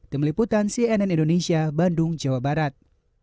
temeliputan cnn indonesia bandung jawa barat